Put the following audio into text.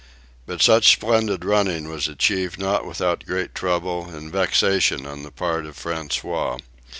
But such splendid running was achieved not without great trouble and vexation on the part of François.